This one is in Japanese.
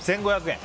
１２００円。